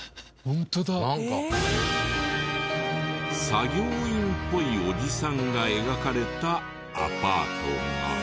作業員っぽいおじさんが描かれたアパートが。